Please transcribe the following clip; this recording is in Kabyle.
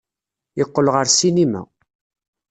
Yeqqel ɣer ssinima.